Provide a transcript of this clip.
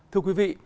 thưa quý vị